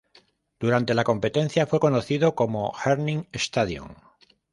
Durante la competencia, fue conocido como "Herning Stadion".